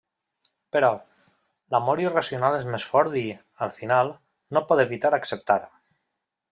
Però, l'amor irracional és més fort i, al final, no pot evitar acceptar.